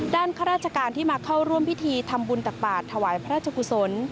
ข้าราชการที่มาเข้าร่วมพิธีทำบุญตักบาทถวายพระราชกุศล